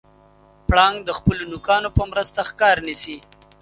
پړانګ د خپلو نوکانو په مرسته ښکار نیسي.